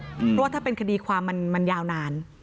เพราะว่าถ้าเป็นคดีความมันยาวนาน